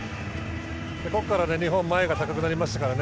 ここから日本前が高くなりますね。